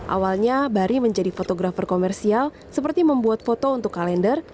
awalnya bari menjadi fotografer komersial seperti membuat foto untuk kalender